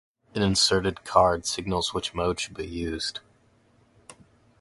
An inserted card signals which mode should be used.